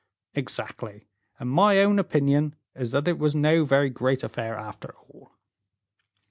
"Exactly, and my own opinion is that it was no very great affair after all."